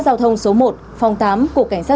giao thông số một phòng tám của cảnh sát